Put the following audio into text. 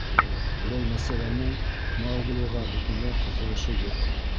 Был мәсьәләнең Мауглиға бөтөнләй ҡыҫылышы юҡ.